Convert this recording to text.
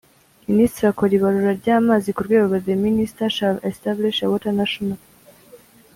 Minisitiri akora ibarura ry amazi ku rwego The Minister shall establish a water national